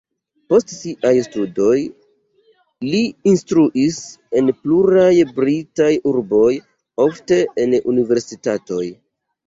Post siaj studoj li instruis en pluraj britaj urboj, ofte en universitatoj.